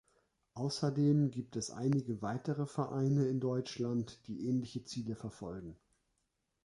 Außerdem gibt es einige weitere Vereine in Deutschland, die ähnliche Ziele verfolgen.